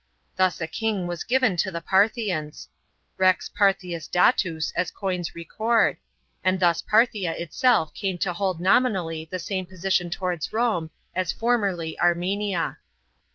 Thus a king was given to the Parthians — rex Parthis datus, as coins record — and thus Parthia itself came to hold nominally the same position towards Rome as formerly Armenia.